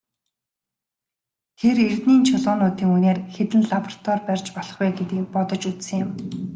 Тэр эрдэнийн чулуунуудын үнээр хэдэн лаборатори барьж болох вэ гэдгийг бодож үзсэн юм.